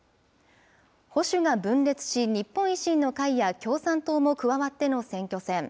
保守が分裂し、日本維新の会や共産党も加わっての選挙戦。